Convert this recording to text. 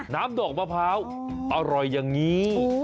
น้ำดอกมะพร้าวอร่อยอย่างนี้